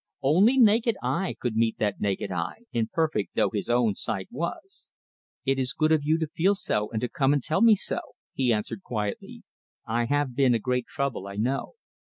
Only naked eye could meet that naked eye, imperfect though his own sight was. "It is good of you to feel so, and to come and tell me so," he answered quietly. "I have been a great trouble, I know."